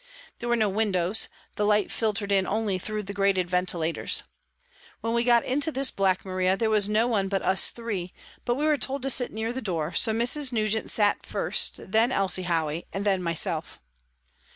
There were no windows ; the light filtered in only through the grated ventilators. When we got into this Black Maria there was no one but us three, but we were told to sit near the door, so Mrs. Nugent sat first, then Elsie Howey, and then myself.